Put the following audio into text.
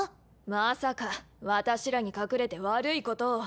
まさか私らに隠れて悪いことを。